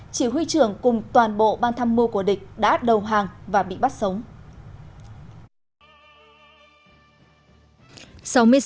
chỉ huy trưởng cùng toàn bộ ban thăm mưu của địch đã đầu hàng và bị bắt sống